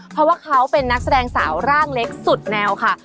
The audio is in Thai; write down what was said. เพราะว่าเขาเป็นนักแสดงสาวร่างเล็กสุดแนวค่ะ